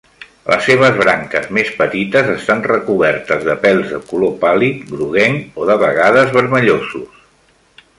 Les seves branques més petites estan recobertes de pèls de color pàl·lid, groguenc, o de vegades vermellosos.